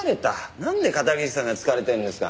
なんで片桐さんが疲れてるんですか。